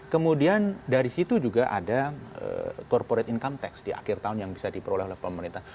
kemudian dari situ juga ada corporate income tax di akhir tahun yang bisa diperoleh oleh pemerintah